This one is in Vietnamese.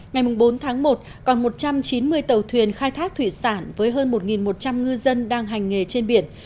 ngày bốn tháng một còn một trăm chín mươi tàu thuyền khai thác thủy sản với hơn một một trăm linh ngư dân đang hành nghề trên biển